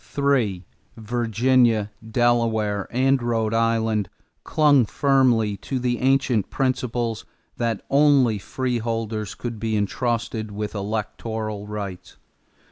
Three, Virginia, Delaware, and Rhode Island, clung firmly to the ancient principles that only freeholders could be intrusted with electoral rights.